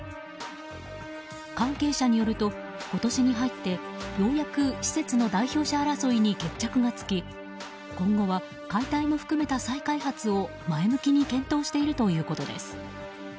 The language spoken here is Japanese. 関係者によると、今年に入ってようやく施設の代表者争いに決着がつき今後は解体も含めた再開発を前向きに検討しているということです。